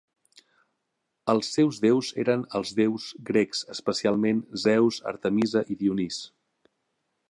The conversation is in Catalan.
Els seus déus eren els déus grecs especialment Zeus, Artemisa i Dionís.